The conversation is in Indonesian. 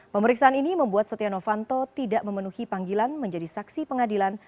pemeriksaan ini membuat setia novanto tidak memenuhi panggilan menjadi saksi pengadilan